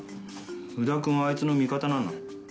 宇田くんはあいつの味方なの？